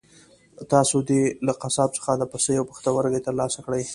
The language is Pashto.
تاسو دې له قصاب څخه د پسه یو پښتورګی ترلاسه کړئ.